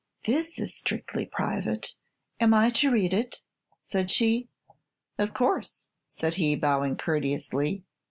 "This is strictly private. Am I to read it?" said she. "Of course," said he, bowing courteously.